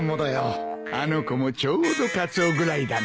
あの子もちょうどカツオぐらいだな。